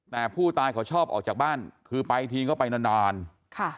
แต่ผู้ตายเขาชอบออกจากบ้านคือไปทีก็ไปนานนานค่ะ